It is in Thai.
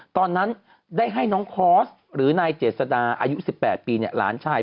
ตอนนั้นได้ให้น้องคอร์สหรือนายเจษดาอายุ๑๘ปีหลานชาย